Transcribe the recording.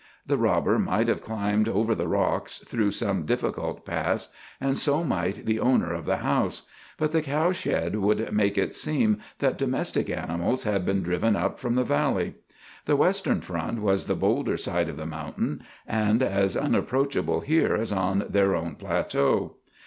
The robber might have climbed over the rocks, through some difficult pass, and so might the owner of the house; but the cow shed would make it seem that domestic animals had been driven up from the valley. The western front was the boulder side of the mountain, and as unapproachable here as on their own plateau.